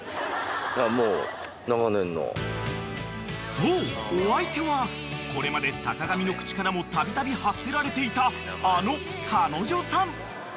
［そうお相手はこれまで坂上の口からもたびたび発せられていたあの彼女さん］